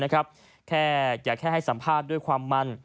แค่อย่าแค่ให้สัมภาษณ์ด้วยความมัน